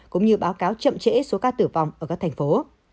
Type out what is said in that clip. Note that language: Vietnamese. cũng như báo cáo chậm trễ số ca tử vong ở các thành phố